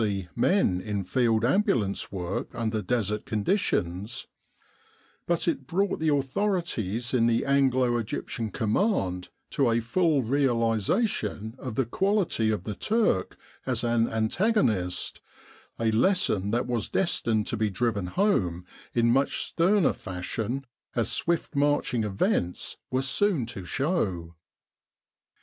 C. men in field ambulance work under desert conditions, but it brought the authorities in the Anglo Egyptian Command to a full realisation of the quality of the Turk as an antagonist a lesson that was destined to be driven home in much sterner fashion, as swift marching events were soon to show.